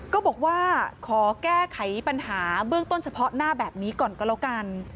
ก็บอกว่าขอแก้ไขปัญหาเบื้องต้นเฉพาะหน้าแบบนี้ก่อนก็แล้วกัน